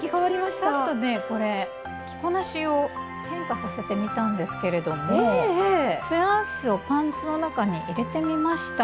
ちょっとねこれ着こなしを変化させてみたんですけれどもブラウスをパンツの中に入れてみました。